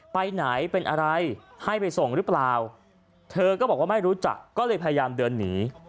ไปไหนเป็นอะไรให้ไปส่งหรือเปล่าเธอก็บอกว่าไม่รู้จักก็เลยพยายามเดินหนี